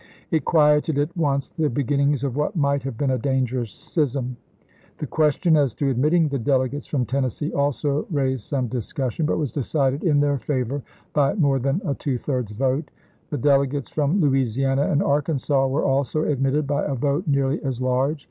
It quieted at once the beginnings of what might have been a dangerous schism. The question as to ad mitting the delegates from Tennessee also raised some discussion, but was decided in their favor by more than a two thirds vote. The delegates from Louisiana and Arkansas were also admitted by a vote nearly as large.